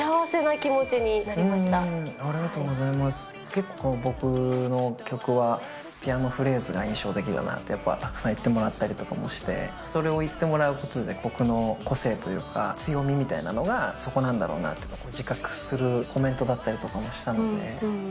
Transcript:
結構僕の曲は、ピアノフレーズが印象的だなとたくさん言ってもらったりとかもして、それを言ってもらうことで、僕の個性というか、強みみたいなのがそこなんだろうなっていう自覚するコメントだったりとかもしたので。